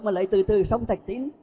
mà lấy từ sông thạch tín